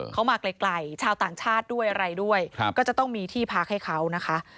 เขามาไกลชาวต่างชาติด้วยอะไรด้วยก็จะต้องมีที่พักให้เขานะคะ